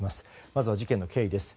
まずは事件の経緯です。